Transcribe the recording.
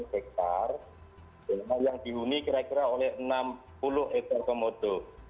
yang dihuni kira kira oleh enam puluh ekor komodo